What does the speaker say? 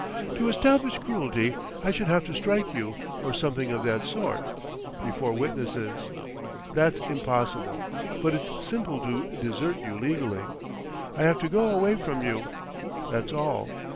To establish cruelty I should have to strike you, or something of that sort, before witnesses. That's impossible—but it's simple to desert you legally. I have to go away from you; that's all.